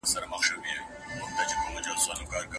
چې دا د لېونتوب انتهاء نه ده، وايه څه ده؟